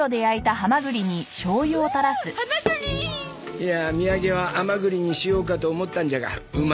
いやあ土産は甘栗にしようかと思ったんじゃがうま